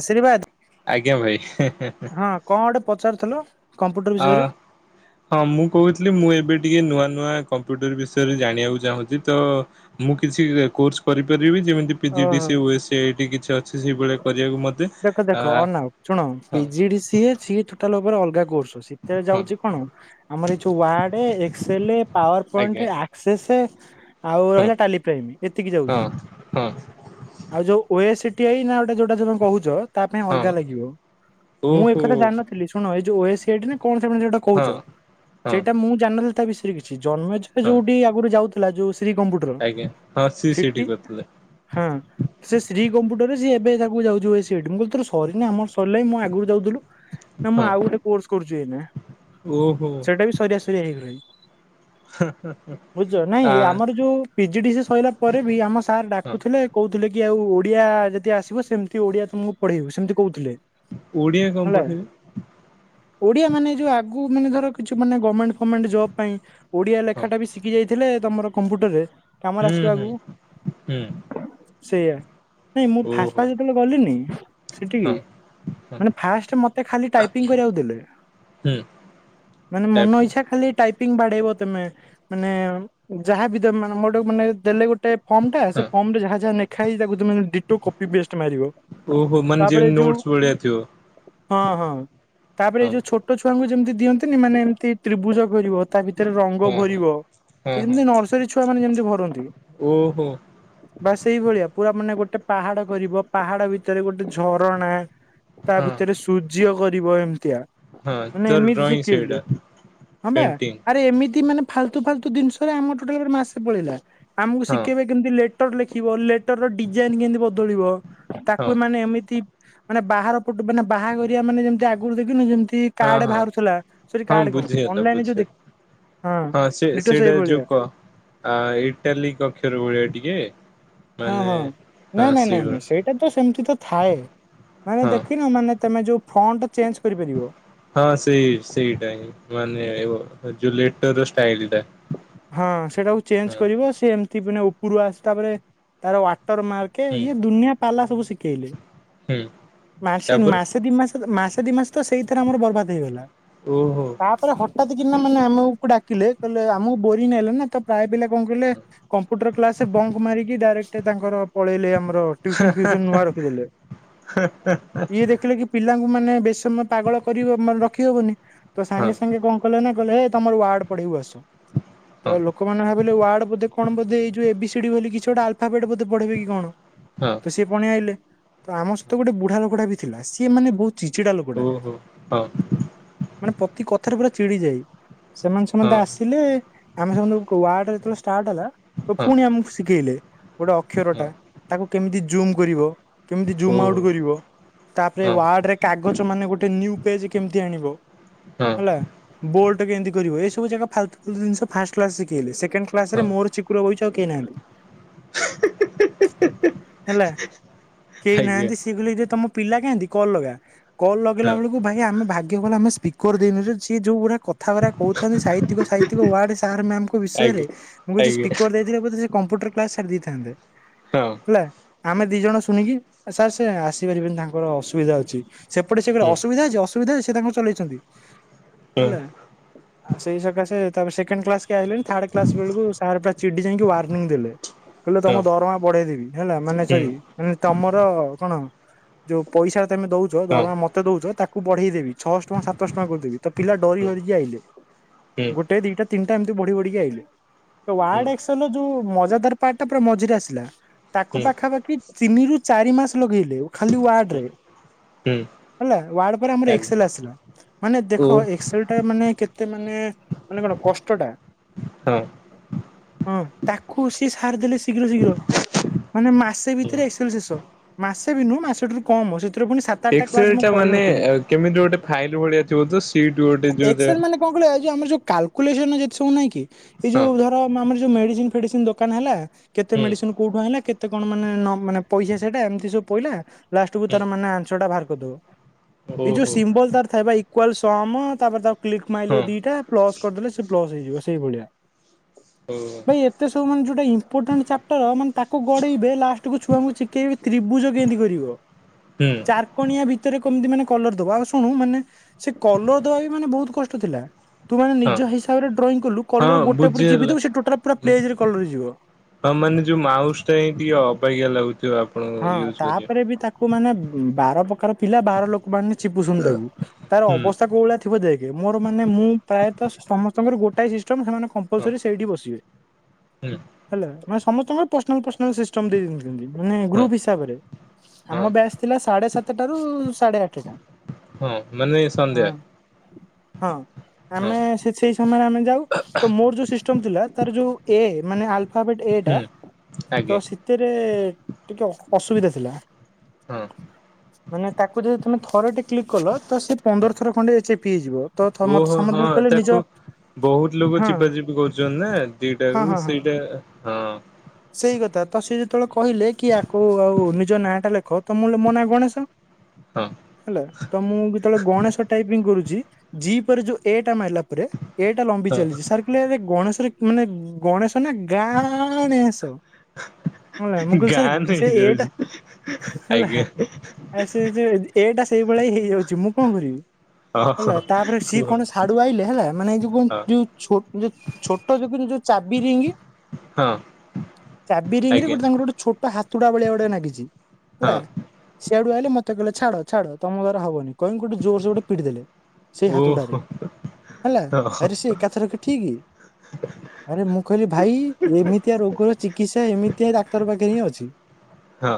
ଆଶୀର୍ବାଦ ଆଜ୍ଞା ଭାଇ ହଁ କଁ ଗୋଟେ ପଚାରୁଥୁଲ। ଆଉ ହଁ ମୁଁ କୋହୁଥିଲି ମୁଁ ଏବେ ଟିକେ ନୂଆ ନୂଆ କମ୍ପୁଟର ବିଷୟରେ ଜାଣିବାକୁ ଚାହୁଁଚି ତ ମୁଁ କିଛି କୋର୍ସ କରିପାରି କରିବି ଯେମିତି ଓହୋ। ପିଜିଦିସିଏ ଓ ଏସିଆଇଟି କିଛି ଅଛି ସେଇଭଳିଆ କରିବାକୁ ମ ଦେଖ ଦେଖ ଅନାଅ ଶୁଣ ପିଜିଡିସିଏ ସିଏ ଥୋଟାଲ ଓପୋରେ ଅଲଗା କୋର୍ସ। ଶୀଥେରେ ହଁ ଯାଉଛି କଣ ଆମର ଏ ଯୋଉ ୱାର୍ଡ ଏକ୍ସେଲେ ପାୱାର ଆଜ୍ଞା ପଏଣ୍ଟ ଆକ୍ସେସେ ଆଉ ହଁ ରହିଲା ଟାଲି ପାଇଁ ବି ଏତିକି ହଁ ଯାଉଚି ହଁ ଆଉ ଯୋଉ ଓଏସି ଟିଆ ନା ଗୋଟେ ଯୋଉଡ଼ା ଯୋଉ ତମେ କୋହୁଚ। ତା ପାଇଁ ଅଲଗା ହଁ ଲାଗିବ ମୁଁ ଏକ ଓହୋ କଥା ଜାଣିନଥିଲି ଶୁଣ ଏ ଯୋଉ ଓଏସିଆଇଟି ନା କଣ ତେମେ ଯୋଉଟା ହଁ କୋହୁଚ ହଁ ସେଇଟା ମୁଁ ଯାନନଥିଲି ତା ବିଷୟରେ କିଛି ଜନ୍ମେଛା ହଁ ଯୋଉଠୀ ଆଗୁରୁ ଯାଉ ହେଲା ଯୋଉ ଶ୍ରୀ କମ୍ପୁଟରର ଆଜ୍ଞା ହଁ ସିଏ ସେଇଠି ସେଟି କରିଥିଲେ ହୁଁ ସେ ଶ୍ରୀ କମ୍ପୁ ଟରେ ସିଏ ଏବେ ତାକୁ ଯାଉଚୁ ଓଏସିଆଇଟି ମୁଁ କହିଲି ତୋରୋ ସରିନି ଆମର ସରଲାଇ ମୋ ଆଗୁରୁ ଯାଉଥୁଲୁ। ନା ମୁଁ ହଁ ଆଉ ଗୋଟେ କୋର୍ସ କରୁଚି ଏଇନା ସେଇଟା ବି ସରିବା ସରିବା ହେଇଗଲାଣି। ହାଁ ହାଁ। ବୁଝୁଚ ନାଇଁ ଆମର ଯୋଉ ପିଜିଡିସିଏ ସଇଲା ପରେ ବି ଆମ ସାର୍ ହଁ ଡାକୁଥିଲେ କୋହୁଥିଲେ କି କି ଆଉ ଓଡିଆ ଯଦି ଆସିବ ସେମିତି ଓଡିଆ ତମୁକୁ ପଢେଇବୁ ସେମିତି କୋହୁଥିଲେ। ଓଡିଆ କଁ ପଢେଇବେ। ଓଡିଆ ମାନେ ଯୋଉ ଆଗୁ ମାନେ ଧର କିଛି ମାନେ ଗମେଣ୍ଟ ଫମେଣ୍ଟ ଜବ୍ ପାଇଁ ଓଡିଆ ହଁ ଲେଖାଟା ବି ଶିକି ଯାଇ ଥିଲେ ତମର କମ୍ପ୍ୟୁଟରରେ କାମରେ ହୁଁ ଆସିବ ହୁଁ ଆଗକୁ ହୁଁ। ସେଇଆ ନାଇଁ ମୁଁ ଫାସ୍ ଓହୋ ଫାସ୍ ଯେତେବେଳେ ଗଲିନି ସେଠି ହଁ ହଁ ମାନେ ଫାଷ୍ଟ ମତେ ଖାଲି ଟାଇପିଂ କରିବାକୁ ଦେଲେ ହୁଁ ମାନେ ମନ ଟାଇପ୍ ଇଚ୍ଛା ଖାଲି ଟା ପିଙ୍ଗୁ ବାଢେଇବ ତମେ ମାନେ ଯାହା ବି ତ ମାନେ ଦେଲେ ଗୋଟେ ଗ ଫର୍ମ ଟା ସେ ହଁ ଫର୍ମରେ ଯାହା ଯାହା ଲେଖା ହେଇଛି, ତାକୁ ତମେ ଡିଟୋ କପିେ ପେଷ୍ଟ ମାରିବ ତାପରେ ଯୋଉ ହଁ ହଁ ତାପରେ ଏଇ ଯୋଉ ଛୋଟ ଛୋଟ ଙ୍କୁ ଯେମିତି ଦିଅନ୍ତିନ ମାନେ ଏମିତି ତ୍ରିଭୁଜ କରିବ ତା ଭିତରେ ଏଥିରେ ରଙ୍ଗ ଭରିବ ଏ ଯେମିତି ନର୍ସରୀ ଛୁଆ ମାନେ ଯେମିତି ଭରନ୍ତି ବାସ ସେଇଭଳିଆ ପୁରା ମାନେ ଗୋଟେ ଗୋଟେ ପାହାଡ କରିବ ପାହାଡ ଭିତରେ ଗୋଟେ ଝରଣା ତା ଭିତରେ ସୂର୍ଯ୍ୟ କରି ଥିବ ଏନତି ଆ ମାନେ ଏମିତି ସେ ଫୁଲଡ୍‌ ହଁ ପା ଏମିତି ଆରେ ଏମିତି ଫାଲତୁ ଫାଲୁତୁ ଜିନିଷ ଉଡ଼ା ଆମର ଗୋଟାଲି ଉପରେ ମାସେ ପଳେଇା ଆମକୁ ଶିଖେଇ କେମତି ଲର ଲେଖିବ ଲେଟର ଡିଜାଇନ କେମିତି ବଦଳିବ ତାକୁ ମାନେ ଏମିତି ମାନେ ବାହାର ପଟୁ ମାନେ ବାହା କରିବା ମାନେ ଯେମିତି ଆଗରୁ ଦେଖିନୁ ଯେମତି ଠ କାର୍ଡ ବାହାରୁଥିଲା ସେଠି କାର୍ଡ କଣ ବୁଝିଗଲା ଅନଲାଇନ ଯୋଉ ବୁଝିଗଲା ଦେଖ ହଁ ସେ ସେଇଟା ଯୁ କ ଇଟାଲୀକ୍ ଅକ୍ଷର ଭଳିଆ ଟିକେ ହଁ ମାନେ -ହଁ ହଁ -ନାଇଁ -ନାଇଁ - ସେଇଭଳି ନାଇଁ ସେଇଟା ତ ସେମତି ତ ଥାଏ, ମାନେ ହଁ ଦେଖିନ ମାନେ ତମେ ଯୋଉ ଫଣ୍ଟ ଚେଞ୍ଜ କରିପାରିବ। ହଁ ସେଇ ସେଇଟା ହିଁ ମାନେ ଜୁଲେଟାର ଷ୍ଟାଇଲଟା ହଁ ସେଇଟାକୁ ଚେଞ୍ଜ କରିବ, ସେ ଏମିତି ଉପରୁ ଆସ-ତାର [unintelligible] ତାର ମାଇକେ ହୁଁ ଇଏ, ଦୁନିଆ ପାଲା ସବୁ ଶିଖେଇଲେ। ହୁଁ ମାସେ ତାପରେ ମାସେ ଦି ମାସେ ମାସ ଦି ମାସ ତ ସେଇଥିରେ ଆମର ବର୍ବାଦ ହେଇଗଲା। ଓ ହୋ। ତାପରେ ହଠାତ୍ ମାନେ ଆମକୁ ଡାକିଲେ କହିଲେ, ଆମକୁ ବୋରିଙ୍ଗ ନାଗିଲା ନା ତ ପ୍ରାୟ ପିଲା ହଁ କମ୍ପ୍ୟୁଟର କ୍ଲାସ ବଙ୍କ ମାରିକି ଡାଇରେକ୍ଟ ତାଙ୍କର ପଳେଇ ଓ ହୋ ଟ୍ୟୁସନ ଫ୍ୟୁସନ ନୂଆ ରଖିଦେଲେ, ଇଏ ଦେଖିଲେ କି ପିଲାଙ୍କର ମାନେ ବେଶୀ ସମୟ ପାଗଳ କରିବ ରଖି ହବନି ତ ହଁ ସାଙ୍ଗେ ସାଙ୍ଗେ କଣ କଲେ ନା କହିଲେ ହେ ତମର ୱାର୍ଡ ପଢେଇବୁ ଆସ ତ ଲୋକମାନେ ଭାବିଲେ ୱାର୍ଡ ବୋଧେ କଣ ବୋଧେ ଏଇ ଯଉ ଏ ବି ସି କିଛି ଗୋଟେ ଆଲଫାବେଟ୍ ବୋଧେ ପଢିବେ କି କଣ? ହଁ ସେ ପୁ ତ ଆମ ସହିତ ଗୋଟେ ବୁଢା ଲୋକଟା ବି ଥିଲା, ସିଏ ମାନେ ବହୁତ ଚିଡଚିଡା ଲୋକଟା, ଓହୋ ହଁ ମାନେ ପ୍ରତି କଥାରେ ପୁରା ଚିଡି ଯାଏ। ସେମାନେ ସମସ୍ତେ ହଁ ଆସିଲେ, ଆମେ ସମସ୍ତେ ୱାର୍ଡରେ ଷ୍ଟାର୍ଟ ହେଲା ତ ହଁ ପୁଣି ଆମକୁ ଶିଖେଇଲେ, ଗୋଟେ ହଁ ଅକ୍ଷରଟା ତାକୁ କେମିତି ଜୁମ୍ କରିବ। କେମିତି ଜୁମ ଓହୋ ଆଉଟ କରିବ, ତାପରେ ହଁ ୱାର୍ଡରେ କାଗଜ ମାନେ ଗୋଟେ ନ୍ୟୁ ପେଜ କେମିତି ଆଣିବ? ହଁ ହେଲା, ବୋଲଟ କେମିତି କରିବ। ଏ ସବୁଜାକ ଫାଲତୁ ଫାଲତୁ ଜିନିଷ ଫାଷ୍ଟ ଫାଷ୍ଟ ଶିଖେଇଲେ। ସେକେଣ୍ଡ କ୍ଲାସରେ ହଁ ମୋର ଚିକୁର ବଇଛୁ, ଆଉ କେହି ନାହାନ୍ତି। ହେଲା କେହି ଆଜ୍ଞା ନାହାନ୍ତି, ସିଏ କହିଲେ ତମ ପିଲା କାହାନ୍ତି? କଲ ଲଗା। କଲ୍ ଲଗେଇଲା ହଁ ବେଳକୁ ଭାଇ ଆମେ ଭାଗ୍ୟ ଭଲ ଆମେ ସ୍ପିକର ଦିନରେ ସିଏ ଯୋଉ ଗୁଡା କଥାଗୁରା କହୁଥାନ୍ତି ସାହିତ୍ୟକ ସାହିତକ ୱାର୍ଡ ସାର୍ ମ୍ୟାମଙ୍କ ବିଷୟରେ, ଆଜ୍ଞା ମୁଁ ଯଦି ଆଜ୍ଞା ସ୍ପିକର ଦେଇଥିଲେ ସେ ବୋଧେ ସେ କମ୍ପ୍ୟୁଟର କ୍ଲାସ ଛାଡ଼ିଦେଇଥାନ୍ତେ। ହଁ ହେଲା, ଆମେ ଦି ଜଣ ଶୁଣିକି ସାର୍ ସେ ଆସିପାରିବେନି ତାଙ୍କର ଅସୁବିଧା ଅଛି। ସେପଟେ କହିଲେ ହୁଁ ଅସୁବିଧା ଅଛି ଅସୁବିଧା। [unintelligible] ଆଇଲେନି, ହଁ ଥାର୍ଡ କ୍ଲାସ ବେଳକୁ ସାର୍ ପୁରା ଚିଡି ଯାଇକି ୱାରଣିଂ ଦେଲେ। କହିଲେ ତମ ହଁ ଦରମା ବଢେଇଦେବି ହେଲା, ମାନେ ହୁଁ ସରି ତମର କଣ ଯୋଉ ପଇସା ତମେ ଦଉଛ, ହଁ ଦରମା ମତେ ଦଉଛ ତାକୁ ବଢେଇ ଦେବି ଛଅଶହ ଟଙ୍କା ସାତଶହ ଟଙ୍କା କରିଦେବି। ତ ପିଲା ଡରି ହୁଁ ହରିିକି ଆଇଲେ ହୁଁ ଗୋଟେ ଦିଟା ବଢି ବଢିକି ଆଇଲେ ହୁଁ ୱାର୍ଡଏକ୍ସେଲର ଯୋଉ ମଜାଦାର ପାର୍ଟଟା ପୁରା ମଝିରେ ଆସିଲା। ତାକୁ ହୁଁ ପାଖାପାଖି ତିନି ରୁ ଚାରି ମାସ ଲଗେଇଲେ ଖାଲି ୱାର୍ଡରେ। ହୁଁ ହେଲା ୱାର୍ଡ ପରେ ଆମର ଏକ୍ସେଲ୍ ଓ ଆସିଲା ମାନେ ଦେଖ ଏକ୍ସେଲ୍ ଟା ମାନେ କେତେ ମାନେ ମାନେ କଣ କଷ୍ଟଟା ହଁ ହୁଁ ତାକୁ ସେ ସାରିଦେଲେ ଶୀଘ୍ର ଶୀଘ୍ର। ମାନେ ମାସେ ଭିତରେ ଏକ୍ସେଲ ଶେଷ‌ ମାସେ ବି ନୁ ମାସେ ଠାରୁ କମ୍ [unintelligible] ସେଥିରୁ ଫୁଣି ସାତ ଆଠଟା କ୍ଲାସ୍ ଏକ୍ସେଲ ମୁଁ ଟା ମାନେ କରିନଥିଲି ଅ, କେମିତି ଗୋଟେ ଫାଇଲ ଭଳିଆ ଥିବ ତ ସିଟ ଗୋଟେ ଯୋଉ ଏକ୍ସେଲ ମାନେ କଣ? ଏଇ ଯୋଉ ଆମର ଯୋଉ କାଲକୁଲେସନ୍ ଯେ ସବୁ ନାଇଁ କି ଏଇ ଯଉ ହଁ ଧର ଆମର ଯୋଉ ମେଡ଼ିସିନ୍ ଫେଡିସିନ୍ ଦୋକାନ ହେଲା। କେତେ ହୁଁ ମେଡ଼ିସିନ୍ କୋଉଠୁ ଆଣିଲା‌ କେତେ କଣ ମାନେ ମାନେ ପଇସା ସେଇଟା ଏମିତି ସବୁ ପଇଲା। ଲାଷ୍ଟ୍ କୁ ହୁଁ ତାର ମାନେ ଆନ୍ସରଟା ବାହାର କରିଦବ ଏଇ ଯୋଉ ଓହୋ ସିମ୍ବଲ ତାର ଥାଏ ବା ଇ ଇକ୍ୱାଲ, ସମ ତାପରେ ତାକୁ କ୍ଲିକ୍ ହଁ ମାଇଲେ ଦିଟା ପ୍ଲସ୍ ପ୍ଲସ୍ ହେଇଯିବ ସେଇଭଳିଆ। ଓ ଭାଇ ଏତେ ସବୁ ମାନେ ଯୋଉଟା ଇମ୍ପୋର୍ଟାଣ୍ଟ ଚାପ୍ଟର ମାନେ ତାକୁ ଗଡେଇବେ ଲାଷ୍ଟକୁୁ ଛୁଆଙ୍କୁ [unintelligible] ତ୍ରିଭୁ ତ୍ରିଭୁଜ କେମତି କରିବ ହୁଁ ଚାରକୋଣିଆ ଭିତରେ କେମିତି ମାନେ କଲର ଦବା‌ ଶୁଣୁ ମାନେ ସେ କଲର ଦବାବି ମାନେ ବହୁତ୍ କଷ୍ଟ ଥିଲା। ହଁ ନିଜ ହିସାବରେ ଡ୍ରଇଂ କଲୁ ହଁ କଲର ଗୋଟେ ଉପରେ ଚିପିଦବୁ ବୁଝିଗଲା ଟୋଟାଲ୍ ପୁରା ପେଜ୍ କଲର ହେଇଯିବ। ହଁ ମାନେ ଯଉ ମାଉସ୍ ଟା ହିଁ ଟିକେ ଅବାଗିଆ ଲାଗୁଥିବ। ଆପଣଙ୍କୁ ହଁ ୟୁଜ କରିବା। ତାପରେ ବି ତାକୁ ମାନେ ବାର ପ୍ରକାର ପିଲା ବାର ଲୋକ ମାନେ ଚିପୁଚନ୍ତି ତାକୁ ତାର ହୁଁ ଅବସ୍ଥା କୋଉ ଭଳିଆ ଥିବ ଦେଖ୍ ମୋର ମାନେ ମୁଁ ପ୍ରାୟତ ସମସ୍ତଙ୍କର ଗୋ ଥାଏ ସିଷ୍ଟମ୍ ସେମାନେ ହଁ କମ୍ପଲସରି ସେଇଠି ବସିବେ ହୁଁ ହେଲା। ମାନେ ସମସ୍ତଙ୍କର ପର୍ସନାଲ ପର୍ସନାଲ ସିଷ୍ଟମ୍ ଦେଇ [unintelligible] ମାନେ ହଁ ଗ୍ରୁପ୍ ହିସାବରେ ହଁ ଆମ ବ୍ୟାଚ ଥିଲା ସାଢ଼େ ସାତଟା ରୁ ସାଢ଼େ ଆଠଟା। ହଁ ମାନେ ହଁ ସନ୍ଧ୍ୟା। ହଁ ହଁ ଆମେ ସେ ସେଇ ସମୟରେ ଆମେ ଯାଉ ତ ମୋର ଯୋଉ ସିଷ୍ଟମ୍ ଥିଲା ତାର ଯୋଉ ଏ ମାନେ ଆଲ୍ଫାବେଟ୍ ଏ ଟା ହୁଁ ଆଜ୍ଞା ତ ସେଥିରେ ଟିକେ ଅସୁବିଧା ଥିଲା ହଁ ମାନେ ତାକୁ ଯଦି ତମେ ଥର ଟେ କ୍ଲିକ୍ କଲ। ତ ସେ ହଁ ପନ୍ଦର ଥର ଖଣ୍ଡେ ଏ ଚିପି ହେଇଯିବ ତ ମତେ ସମସ୍ତେ କହିଲେ ନିଜ ବହୁତ୍ ଲୋକ ହଁ ଚିପା ଚିପି କରୁଛନ୍ତି ନା ହଁ ଦିଟାକୁ ହଁ ହଁ ସେଇଟା ହଁ। ସେଇ କଥା ତ ସିଏ ଯେତେବେଳେ କହିଲେ କି ଆକୁ ଆଉ ନିଜ ନାଁ ଟା ଲେଖ ତ ମୁଁ ମୋ ନାଁ ଗଣେଶ। ହଁ ହେଲା ତ ମୁଁ ଯେତେବେଳେ ଗଣେଶ ଟାଇପିଂ କରୁଚି ଜି ପରେ ଯୋଉ ଏ ଟା ମାରିଲା ପରେ ଏଟା ଲମ୍ବି ହଁ ଚାଲିଛି ସାର୍ କହିଲେ ଆରେ ଗଣେଶରେ ମାନେ ଗଣେଶ ନା ଗାଆଣେଶ ହେଲା ମୁଁ ଗାଁ କହିଲି ସେ ଏ ଟା ନେଇଯାଉଛି ହେଲା ଆଜ୍ଞା ସେ [unintelligible] ଏ ଟା ସେଇଭଳିଆ ହେଇଯାଉ ମୁଁ କଣ କରିବି? ହଁ ହେଲା ହଁ ତାପରେ ସିଏ କୁହ କଣ ସିଆଡୁ ଆଇଲେ ହେଲା ମାନେ ଏଇ ଯୋଉ ହଁ କଣ ଯୋଉ ଛୋ ଯୋଉ ଛୋଟ [unintelligible] ଚାବିରିଙ୍ଗ୍ ହଁ। ଚାବିରିଙ୍ଗ୍ ରେ ଆଜ୍ଞା ଗୋଟେ ତାଙ୍କର ଗୋଟେ ଛୋଟ ହାତୁଡ଼ା ଭଳିଆ ଗୋଟେ ଲାଗିଛି ହଁ ହେଲା। ସିଆଡୁ ଆଇଲେ ମତେ କହିଲେ ଛାଡ଼ ଛାଡ଼ ତମ ଦ୍ୱାରା ହବନି। କହିକି ଗୋଟେ ଜୋରସେ ଗୋଟେ ପିଟି ଦେଲେ ସେଇ ହାତୁଡ଼ାରେ। ଓହୋ ହେଲା ହଁ ଆରେ ସେ ଏକାଥରକେ ଠିକ୍। ଆରେ ମୁଁ କହିଲି ଭାଇ ଏମିତିଆ ରୋଗର ଚିକିତ୍ସା ଏମିତିଆ ଡ଼ା କ୍ଟର ପାଖେ ହିଁ ଅଛି ହଁ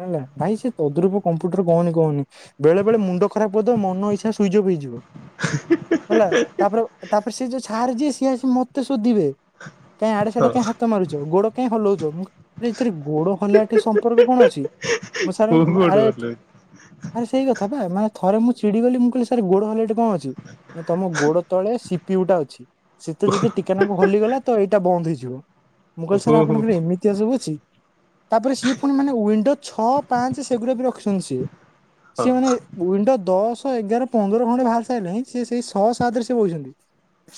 ହେଲା ଭାଇ ସେ ତଦ୍ରୂପ କମ୍ପୁଟର କହନି କହନି। ବେଳେ ବେଳେ ମୁଣ୍ଡ ଖରାପ କରିଦବ ମନ ଇଚ୍ଛା ସୁଇଚି ଅଫ ହେଇଯିବ। ହେଲା ତାପରେ ତାପରେ ସେ ଯୋଉ ସାର୍ ଯିଏ ସିଏ ଆସିକି ମତେ ଶୋଦିବେ। କାଇଁ ଆଡ଼େ ସାଡ଼େ କାଇଁ ହଁ ହାତ ମାରୁଚୁ ଗୋଡ଼ କାଇଁ ହଲଉଚୁ। ଏଥିରେ ଗୋଡ଼ ହଲିଆଟି ସମ୍ପର୍କ କଣ ଅଛି [unintelligible] ସାର୍ କୋଉ ପଟୁ ଆରେ ଓହ୍ଲେଇବ ଆରେ ସେଇ କଥାପା ମା ଥରେ ମୁଁ ଚିଡ଼ି ଗଲି ମୁଁ କହିଲି ସାର୍ ଗୋଡ଼ ହଲେଇବାଟି କଣ ଅଛି ତମ ଗୋଡ଼ ତଳେ ସିପିୟୁ ଟା ଅଛି। ସେଇଟା ଯଦି ଠିକେନାକୁ ହଲିଗଲା ତ ଏଇଟା ବନ୍ଦ ହେଇଯିବ ମୁଁ କହିଲି ସାର୍ ଓହୋ ଆପଣଙ୍କର ଏମିତିଆ ସବୁ ଅଛି। ତାପରେ ସିଏ ପୁଣି ମାନେ ୱିଣ୍ଡୋ ଛଅ ପାଞ୍ଚେ ସେଗୁଡ଼ା ବି ରଖିଛନ୍ତି ସିଏ। ହଁ ସିଏ ମାନେ ୱିଣ୍ଡୋ ଦଶ ଏଗାର ପନ୍ଦର ଖଣ୍ଡେ ଭାଲ ସାରିଲାଣିିଁ ସେଇ ଶହ ସାତ ରେ ସେ ବଇଛନ୍ତି।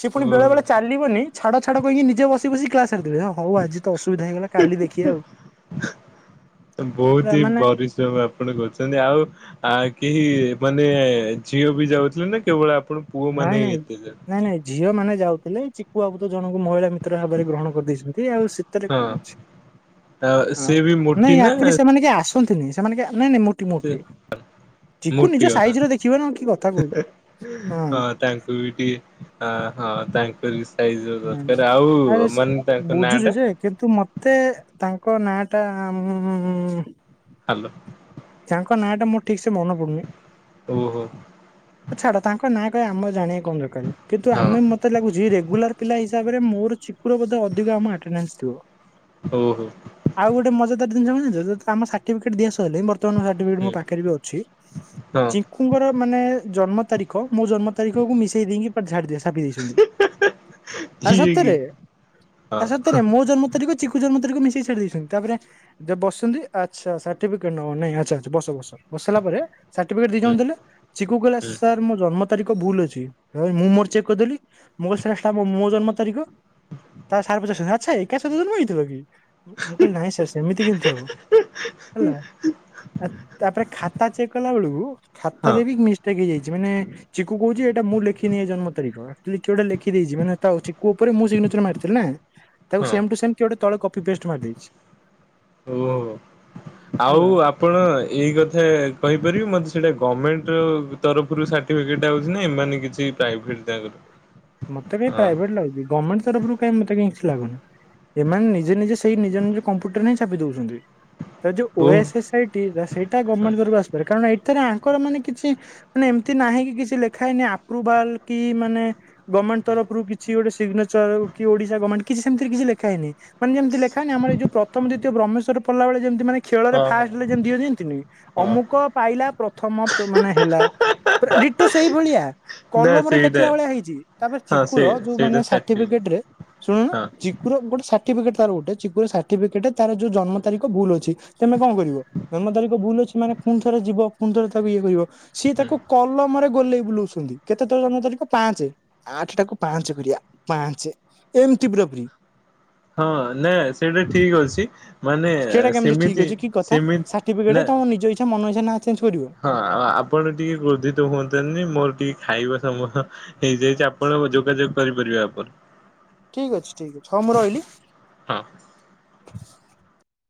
ସେ ପୁଣି ବେଳେ ବେଳେ ଓହୋ ଚାଲିବନି ଛାଡ଼ ଛାଡ଼ କହିକି ନିଜ ବସି ବସି କ୍ଲାସ ସାରିଦେବେ ହଉ ଆଜି ତ ଅସୁବିଧା ହେଇଗଲା। କାଲି ଦେଖି ଆଉ। ବହୁତ ହି ମାନେ ବରିଶ୍ରମ ଆପଣ କରୁଛନ୍ତି ଆଉ ଆ କେହି ମାନେ ଝିଅ ବି ଯାଉଥିଲେ ନା କେବଳ ଆ ନାଇଁ ନାଇଁ ନାଇଁ ନାଇଁ ଝିଅ ମାନେ ଯାଉ ଥିଲେ ଚିକୁଆବୁତ ଜଣଙ୍କୁ ମହିଳା ମିତ୍ର ଭାବରେ ଗ୍ରହଣ କରିଦେଇଛନ୍ତି। ଆଉ ଶୀତରେ କଣ ଅଛି ହଁ ସେ ବି ମୋଟି ନାଇଁ ନା ଆକ୍ଚୁଆଲି ସେମାନେ କି ଆସନ୍ତିନି ସେମାନେ କେହି ଆ ନାଇଁ ନାଇଁ ମୋଟି ମୋଟି ଚିକୁ ମୋଟି ନିଜ ସାଇଜ ର ଅଟନ୍ତି। ଦେଖିବେ ନା କି କଥା କହୁଛ ହଁ ତାଙ୍କୁ ବି ଟି ଆଁ ହଁ ଅଁ ତା ହୁଁ ଆରେ ମାନେ ସେୟା ତାଙ୍କ ନାଁ ଟା ବୁଝୁଛି ଯେ କିନ୍ତୁ ମତେ ତାଙ୍କ ନାଁ ଟା ଉଁ ଉଁ ଉଁ ଉଁ ହାଲୋ। ତାଙ୍କ ନାଁ ଟା ମୋର ଠିକ ସେ ମନେ ପଡ଼ୁନି ଓହୋ ଛାଡ଼ ତାଙ୍କ ନାଁ ଆମ ଜାଣିବା କଣ ଦରକାର କିନ୍ତୁ ହଁ ଆମେ ମତେ ଲାଗୁଛି ରେଗୁଲାର ପିଲା ହିସାବରେ ମୋର ଚିକୁର ବୋଧ ଅଧିକ ଆମ ଆଟ୍ନାନ୍ସ୍ ଥିବ ଓହୋ ଆଉ ଗୋଟେ ମଜାଦାର ଜିନିଷ କଣ ଆମ ସାର୍ଟିଫିକେଟ ଦିଆ ସରିଲେ [unintelligible] ମୋ ହୁଁ ପାଖରେ ବି ଅଛି ହଁ ଚିଙ୍କୁଙ୍କର ମାନେ ଜନ୍ମ ତାରିଖ ମୋ ଜନ୍ମ ତାରିଖକୁ ମିଶେଇ ଦେଇକି ଝାଡି ଛାପି ଦେଇଛନ୍ତି ଆରେ ଇଏ କି ସତରେ, ହଁ ଆରେ ସତରେ ମୋ ଜନ୍ମ ତାରଖ ଚିକୁ ଜନ୍ମ ତାରିଖ ମିଶେଇ ଦେଇଛନ୍ତି ତାପରେ ଯ ବସିଛନ୍ତି ଆଚ୍ଛା ସାର୍ଟିଫିକେଟ ନ ନାଇଁ ଆ୍ଛା ଆଛା ବସ ବସ ବସାରିଲା ପରେ ସାର୍ଟିଫିକେଟ ଦି ଜଣ ହୁଁ ଦେଲେ ଚିକୁ କହିଲା ହୁଁ ସାର୍ ମୋ ଜନ୍ମ ତାରିଖ ଭୁଲ ଅଛି ମୁଁ ମୋର ଚେକ୍ କରିଦେଲି ମୁା ମୋ ଜନ୍ମ ତାରିଖ ତା ସାର୍ ପଚର୍ଛନ୍ତି ଆଛା ଏକା ସହିତ ଜନ୍ମ ହେଇଥିଲ କି ମୁଁ କହିଲି ନାଇଁ ସାର୍ ସେମିତି କେମିତି ହବ ହେଲ ଆ ତାପରେ ଖାତା ଚେକ୍ କଲା ବେଳକୁ ଖାତ ହଁ ବି ମିଷ୍ଟକ୍ ହେଇଯାଇଛି ମାନେ ଚିକୁ କହୁଛି ଏଇଟା ମୁଁ ଲେଖିନି ଏ ଜନ୍ମ ତାରିଖଟା ଲେଖି ଦେଇଛି ମାନେ ଚିକୁ ଉପରେ ମୁଁ ମର୍ଥିଲି ନା ହଁ ସେମ୍ଟୁ ସେମ୍ କିଏ ଗୋଟ ତଳେ କପୀପେଷ୍ଟ୍ ମାରିଦେଇଛି। ଓୋ ଆଉ ଆ ଆପଣ ଏଇ କଥା କହିପାରିବେ ମୋତେ ସେଇଟା ଗର୍ମେଣ୍ଟ ତରଫରୁ ସାର୍ଟିଫିକେଟ୍ ଆଉଛି ନା ମାନେ କିଛି ପ୍ରାଇଭେଟ ମତେ କ ପ୍ରାଇଭେଟ ହଁ ଲାଗୁଛି ଗମେଣ୍ଟ ତରଫ୍ ରୁ କାଇଁ ମତେ କାଇଁ ଲାଗୁନି ଏମାନେ ନିଜେ ନିଜେ ସେଇ ନିଜ ନିଜ କମ୍ପ୍ୟୁଟରରେ ହିଁ ଛାପି ଦଉଛନ୍ତି ତ ଯୋଉ ଓ ଏସ୍ ଏସ୍ ଆଇଟି ସେଇଟ ଗର୍ଣ୍ଣେଣ୍ଟ ତରଫରୁ ଆସିପାରେ କାରଣଇ ଏଥିରେ ଆଙ୍କର ମାନେ କିଛି ମାନେ ଏମିତି ନାହିଁ କି କିଛି ଲେଖା ହେଇନି ଆପ୍ରୁଭାଲ କି ମାନେ ଗଭମେଣ୍ଟରରୁ କିଛି ଗୋଟେ ସିଗ୍ନେଚର କି ଓଡିଶା ଗଭର୍ଣ୍ଣେଣ୍ କି ସେମତି କି ଲୋଇନଁ ମାନ ଯେମିତି ଲୋାଇ ଆର ଏ ଯଉ ପ୍ରଥମ ଦିତୀୟ ବ୍ରହମେଶ୍ୱର ପଲା ବେଳେ ଯେମିତି ମାନେ ଖେଳରେ ହଁ ହଁ ଫାଷ୍ଟ ଯେମତି ଦିଅ ଯେମିତିନି ହଁ ଅମୁକ ପାଇଲା ପ୍ରଥମ ମାନେ ହେଲା ଡିଟ ସେଇ ଭଳିଆ ନା କଲମରେ ସେଇଟା ଲେଖିଲା ଭଳିଆ ହେଇଛି। ତାପରେ ହଁ ଚିକୁର ସେ ଯୋଉ ମାନେ ସେଇଟା ସାର୍ଟିଫିକେଟ ରେ ଶୁଣୁନ ହଁ ଚିକୁୁର ଗୋଟେ ସାର୍ଟିଫିକେଟ ତାର ଗୋଟେ ଚିକୁର ସାର୍ଟିଫେଟ ତାର ଯୋଉ ଜନ୍ମ ତାରଖ ଭୁଲ ଅଛି, ତମେ କଣ କରିବ ଜନ୍ମ ତାରିଖ ଭୁଲ ଅଛି ମାନେ ପୁଣୀ ଥରେ ଯିବ ପୁଣି ଥରେ ତାକୁ ଇଏ କରିବ। ସିଏ ହୁଁ ତାକୁ କଲମରେ ଗୋଲେଇ ବୁଲଉଛନ୍ତି କେତେ ତର ଜନ୍ମ ତାରିଖ ପାଞ୍ଚେ, ଆଠଟାକୁ ପାଞ୍ଚେ କରିବା ପାଞ୍ଚେ ଏମ୍ତି ପୂରାପୂରି ହଁ ନାଇଁ ସେଇଟା ଠିକ୍ ଅଛି ମାନେ ସେଟା କେମିତି ଠିକ ସେମିତି ଅଛି କି କଥା ସେମିତି ସାର୍ଟିଫିକେଟ ନା ତମ ନିଜ ଇଚ୍ଛା ମନ ଇଚ୍ଛା ନା ଚେଞ୍ଜ କରିବ ହଁ ଆଉ ଆପଣ ଟିକେ କ୍ରୋଧିତ ହୁଅନ୍ତୁନି ମୋର ଟିକେ ଖାଇବା ସମୟ ହେଇଯାଇଛି ଆପଣ ଯୋଗାଯୋଗ କରିପାରିବେ ଆପରେ, ଠିକ୍ ଅଛି, ଠିକ୍ ଅଛି, ହଁ ମୁଁ ରହିଲି। ହଁ